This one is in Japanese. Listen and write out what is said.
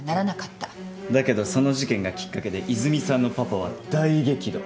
だけどその事件がきっかけで泉さんのパパは大激怒。